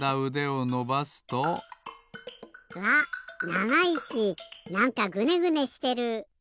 ながいしなんかグネグネしてる。